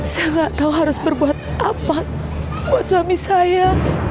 saya nggak tahu harus berbuat apa buat suami saya